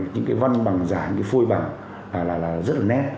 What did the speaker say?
những cái văn bằng giả những cái phôi bằng là rất là nét